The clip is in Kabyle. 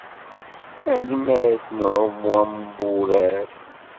Almad n uɛumu am wurar.